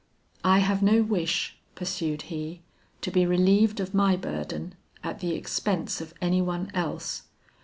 "I have no wish," pursued he, "to be relieved of my burden at the expense of any one else.